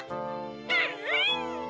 アンアン！